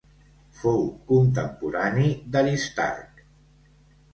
Fou contemporani d'Aristarc.